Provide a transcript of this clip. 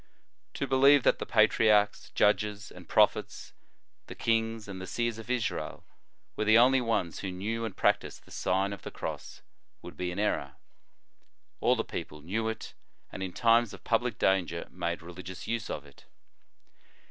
"* To believe that the patriarchs, judges, and prophets, the kings and the seers of Israel were the only ones who knew and practised the Sign of the Cross, would be an error. All the people knew it, and in times of public danger made religious use of it.